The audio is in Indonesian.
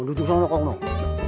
eh dan jika banyak ada orang